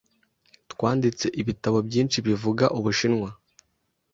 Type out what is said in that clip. Twanditse ibitabo byinshi bivuga Ubushinwa.